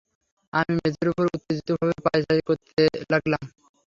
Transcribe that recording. আমি মেঝের উপর উত্তেজিতভাবে পায়চারি করতে লািগলাম।